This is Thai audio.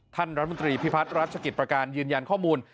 ท่านรัฐมนตรีพิพัฒน์รัชกิจประการยืนยันข้อมูล